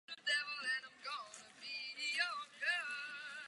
V oblasti vlhčí rokle je výskyt smrku ztepilého původní.